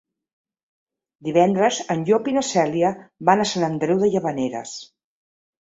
Divendres en Llop i na Cèlia van a Sant Andreu de Llavaneres.